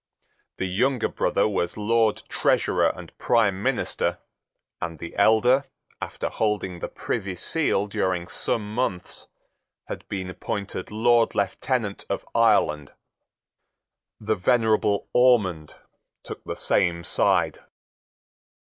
The younger brother was Lord Treasurer and prime minister; and the elder, after holding the Privy Seal during some months, had been appointed Lord Lieutenant of Ireland. The venerable Ormond took the same side.